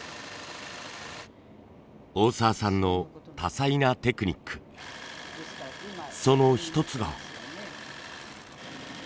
大澤さんの多彩なテクニックその一つが。